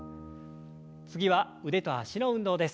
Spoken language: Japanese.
次は腕と脚の運動です。